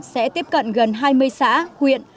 sẽ tiếp cận gần hai mươi xã huyện